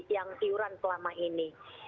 yang iuran selama ini